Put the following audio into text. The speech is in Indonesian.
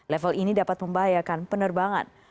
level ini dapat membahayakan penerbangan